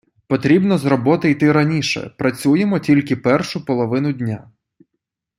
Потрібно з роботи йти раніше, працюємо тільки першу половину дня.